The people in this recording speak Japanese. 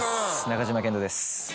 中島健人です。